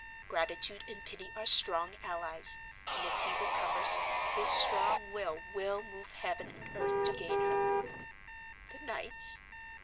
Gratitude and pity are strong allies, and if he recovers, his strong will will move heaven and earth to gain her. Good night."